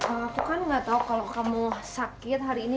aku kan nggak tahu kalau kamu sakit hari ini